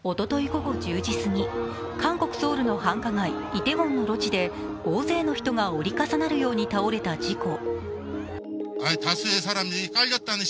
午後１０時すぎ、韓国・ソウルの繁華街イテウォンの路地で大勢の人が折り重なるようにして倒れた事故。